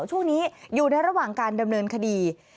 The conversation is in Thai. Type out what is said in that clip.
ช่วงนี้อยู่ในระหว่างการดำเนินคดี